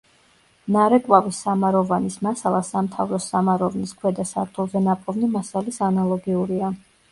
ნარეკვავის სამაროვანის მასალა სამთავროს სამაროვნის „ქვედა სართულზე“ ნაპოვნი მასალის ანალოგიურია.